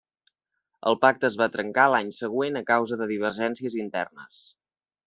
El pacte es va trencar l'any següent a causa de divergències internes.